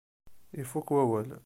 Ifuk wawal.